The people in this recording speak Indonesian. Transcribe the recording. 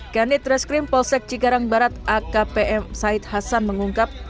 ganit rest cream polsek cikarang barat akpm said hasan mengungkap